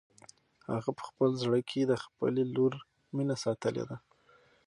هغه په خپل زړه کې د خپلې لور مینه ساتلې ده.